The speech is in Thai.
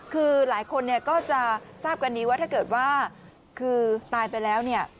คือหลายคนก็จะทราบกันถ้าจะถ้าตายไปแล้วเนี่ย